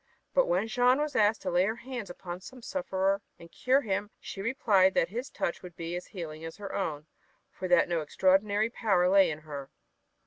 But when Jeanne was asked to lay her hands upon some sufferer and cure him, she replied that his own touch would be as healing as her own, for that no extraordinary power lay in her.